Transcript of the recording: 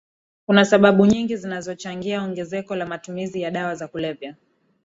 Kuna sababu nyingi zinazochangia ongezeko la matumizi ya dawa za kulevya